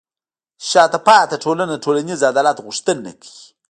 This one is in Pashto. شاته پاتې ټولنه د ټولنیز عدالت غوښتنه کوي.